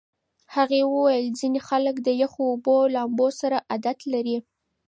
هغې وویل ځینې خلک د یخو اوبو لامبو سره عادت لري.